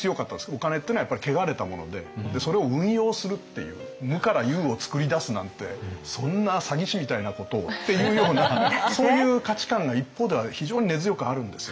お金っていうのはやっぱり汚れたものででそれを運用するっていう無から有を作り出すなんてそんな詐欺師みたいなことをっていうようなそういう価値観が一方では非常に根強くあるんですよね。